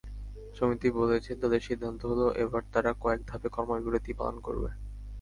সমিতি বলেছে, তাদের সিদ্ধান্ত হলো এবার তারা কয়েক ধাপে কর্মবিরতি পালন করবে।